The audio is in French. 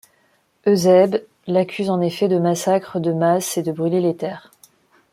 Eusèbe l'accuse en effet de massacres de masses et de brûler les terres.